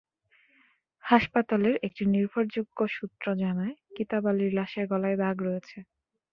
হাসপাতালের একটি নির্ভরযোগ্য সূত্র জানায়, কিতাব আলীর লাশের গলায় দাগ রয়েছে।